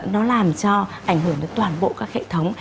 nó làm cho ảnh hưởng đến toàn bộ các hệ thống